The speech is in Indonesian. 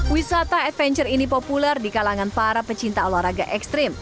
wisata adventure ini populer di kalangan para pecinta olahraga ekstrim